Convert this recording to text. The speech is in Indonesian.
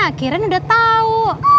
akhirnya udah tau